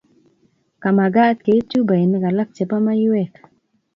kamagaat keib chubainik alak chebo maywek